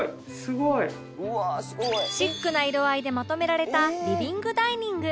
シックな色合いでまとめられたリビングダイニング